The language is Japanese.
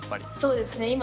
そうですね